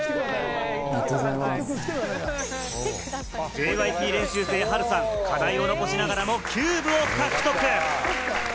ＪＹＰ練習生・ハルさん、課題を残しながらもキューブを獲得。